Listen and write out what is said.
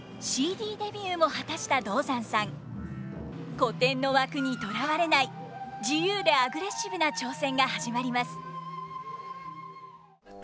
古典の枠にとらわれない自由でアグレッシブな挑戦が始まります。